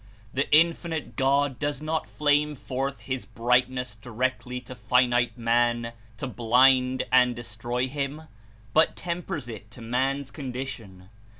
The Infinite God does not flame forth his brightness directly to finite man to blind and destroy him, but tempers it to man's condi tion.